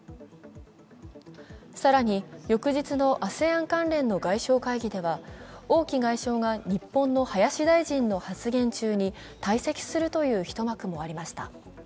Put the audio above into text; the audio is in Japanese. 更に、翌日のＡＳＥＡＮ関連の外相会議では、王毅外相が日本の林大臣の発言中に退席するという一幕もありました。